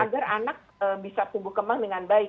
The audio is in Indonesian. agar anak bisa tumbuh kembang dengan baik